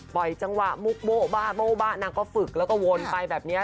ปล่อยจังหวะมุกโบ๊ะโบ๊ะนางก็ฝึกแล้วก็วนไปแบบเนี่ย